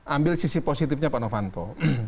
ambil sisi positifnya pak novanto